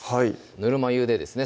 ぬるま湯でですね